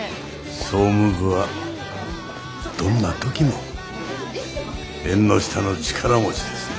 総務部はどんな時も縁の下の力持ちですね。